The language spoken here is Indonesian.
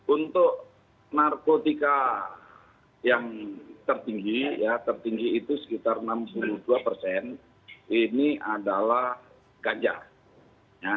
untuk narkotika yang tertinggi itu sekitar enam puluh dua persen ini adalah ganja